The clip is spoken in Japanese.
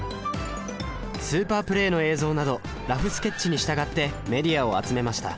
スーパープレーの映像などラフスケッチに従ってメディアを集めました